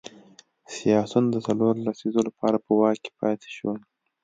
سیاسیون د څلورو لسیزو لپاره په واک کې پاتې شول.